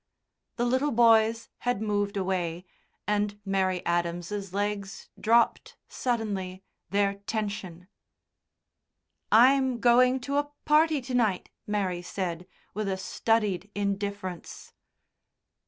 The little boys had moved away, and Mary Adams's legs dropped, suddenly, their tension. "I'm going to a party to night," Mary said, with a studied indifference.